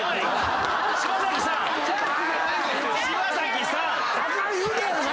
柴咲さん！